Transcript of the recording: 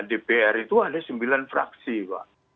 dpr itu ada sembilan fraksi pak